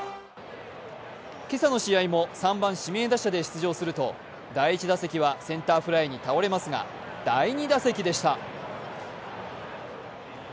今朝の試合も３番・指名打者で出場すると第１打席はセンターフライに倒れますが、第２打席でした。